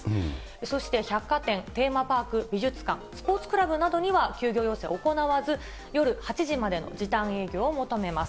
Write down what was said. そして百貨店、テーマパーク、美術館、スポーツクラブなどには休業要請行わず、夜８時までの時短営業を求めます。